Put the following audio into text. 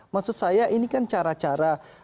maksud saya ini kan cara cara